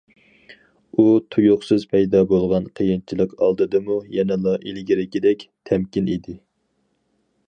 ئۇ تۇيۇقسىز پەيدا بولغان قىيىنچىلىق ئالدىدىمۇ يەنىلا ئىلگىرىكىدەك تەمكىن ئىدى.